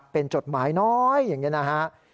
เป็นจดหมายน้อยอย่างนี้นะฮะ